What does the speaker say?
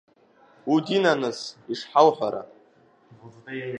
Удинаныс ишҳауҳәара!